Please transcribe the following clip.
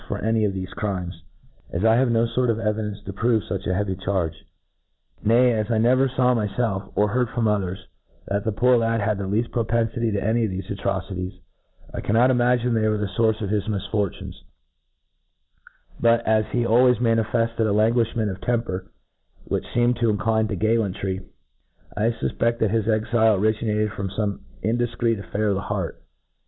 13 For any of thefc crimes, as I have no fort of evi* dence to prove fuch a heavy charge. Nay, as I never faw myfelf, or heard from others, that the poor lad had the leaft propenfity to any of thefe atrocities, I cannot imagine they were the fourccof his misfortunes ; but, as he always ma nifefted a languifhment of temper, which fcemed to incline to gallantry, I fufpeft, that his exile o riginated from fome indifcreet affair of the heart.